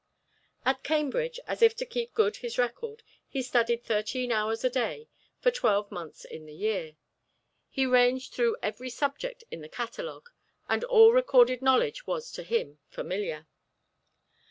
At Cambridge, as if to keep good his record, he studied thirteen hours a day, for twelve months in the year. He ranged through every subject in the catalog, and all recorded knowledge was to him familiar.